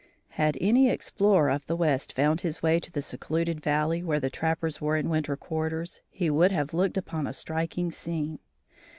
Had any explorer of the west found his way to the secluded valley where the trappers were in winter quarters, he would have looked upon a striking scene.